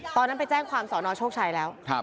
ตอนนั้นไปแจ้งความสอนอโชคชัยแล้ว